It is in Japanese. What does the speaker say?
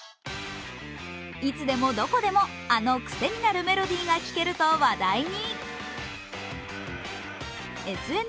いつでもどこでも、あの癖になるメロディーが聞けると話題に。